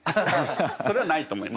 それはないと思います。